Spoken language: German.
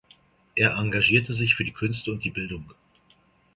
Er engagierte sich für die Künste und die Bildung.